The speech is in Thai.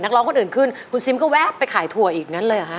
ร้องคนอื่นขึ้นคุณซิมก็แวะไปขายถั่วอีกงั้นเลยเหรอฮะ